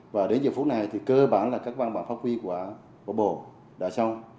và đến giờ phút này thì cơ bản là các văn bản pháp quy của bộ đã xong